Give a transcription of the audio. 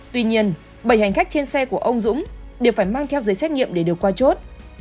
tuy nhiên bảy hành khách trên xe của ông dũng đều phải mang theo giấy xét nghiệm để được qua chốt